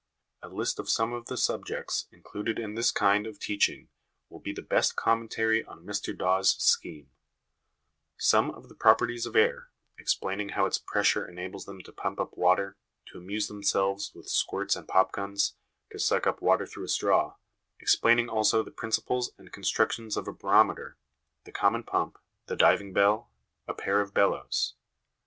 A list of some of the subjects included in this kind of teaching will be the best commentary on Mr Dawes' scheme :" Some of the properties of air, explaining how its pressure enables them to pump up water, to amuse themselves with squirts and popguns, to suck up water through a straw; explaining also the principles and construction of a barometer, the common pump, the diving bell, a pair of bellows.